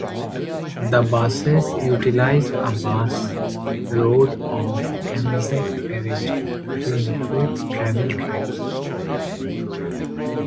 The buses utilise a bus road off Anzac Parade to improve travel times.